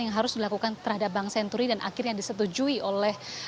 yang harus dilakukan terhadap bank senturi dan akhirnya disetujui oleh